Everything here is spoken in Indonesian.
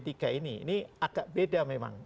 ini ini agak beda memang